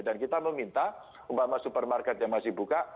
dan kita meminta umpama supermarket yang masih buka